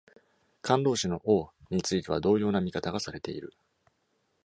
感動詞の「Oh!」については同様な見方がされている。